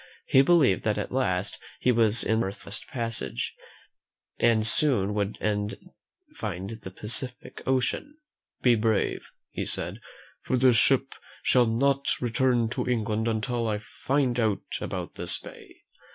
He believed that at last he was in the Northwest Passage, and would soon find the Pacific Ocean. "Be brave," he said, "for this ship shall not return to England until I find out about this bay."